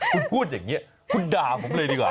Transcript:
คุณพูดอย่างนี้คุณด่าผมเลยดีกว่า